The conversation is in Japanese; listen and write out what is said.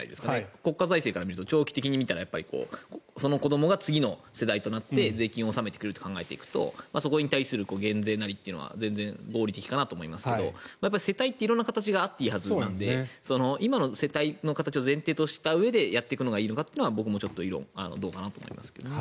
国家財政から見ると長期的にその子どもが次の世代となって税金を納めてくれると考えていくとそこに対する減税なりは全然合理的かなと思いますけど世帯って色んな形があっていいはずなので今の世帯の形を前提としたうえでやっていくのがいいのかというのは僕もどうかなと思いますけどね。